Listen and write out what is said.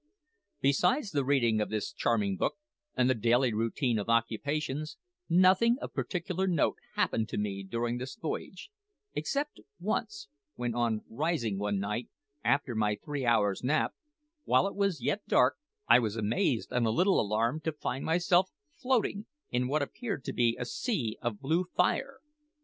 Besides the reading of this charming book, and the daily routine of occupations, nothing of particular note happened to me during this voyage except once, when on rising one night, after my three hours' nap, while it was yet dark, I was amazed and a little alarmed to find myself floating in what appeared to be a sea of blue fire!